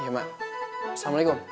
iya mak assalamualaikum